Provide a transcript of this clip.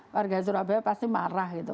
warga surabaya pasti marah gitu